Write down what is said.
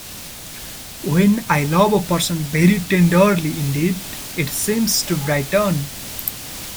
When I love a person very tenderly indeed, it seems to brighten.